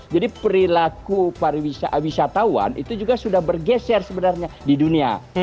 jadi perilaku pariwisatawan itu juga sudah bergeser sebenarnya di dunia